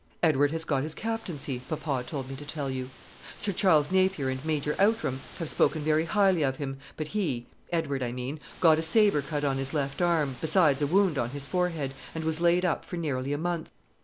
Edward has got his captaincy, papa told me to tell you. Sir Charles Napier and Major Outram have spoken very highly of him; but he Edward, I mean got a sabre cut on his left arm, besides a wound on his forehead, and was laid up for nearly a month.